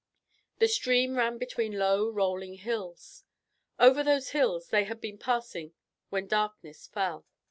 The stream ran between low, rolling hills. Over those hills they had been passing when darkness fell.